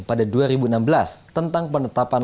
pada dua ribu enam belas tentang penetapan